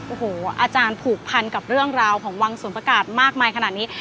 โอ้โหอาจารย์ผูกพันกับเรื่องราวของวังสวนประกาศมากมายขนาดนี้